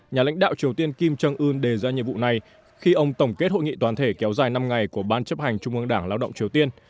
nhà lãnh đạo triều tiên kim jong un đề ra nhiệm vụ này khi ông tổng kết hội nghị toàn thể kéo dài năm ngày của ban chấp hành trung ương đảng lao động triều tiên